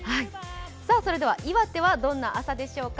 それでは岩手はどんな朝でしょうか。